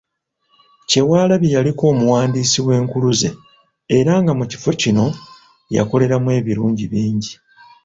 Kyewalabye yaliko omuwanika w’Enkuluze era nga mu kifo kino yakoleramu ebiringi bingi.